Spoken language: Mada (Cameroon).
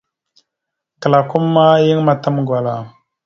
Klakom ma yan matam gwala.